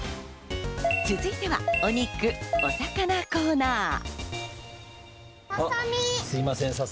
続いては、お肉お魚コーナー。